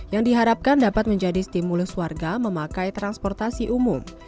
yang diharapkan dapat menjadi stimulus warga memakai transportasi umum